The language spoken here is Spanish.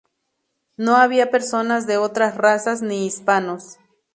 No había personas de otras razas ni hispanos.